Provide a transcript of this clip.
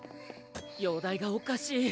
容体がおかしい。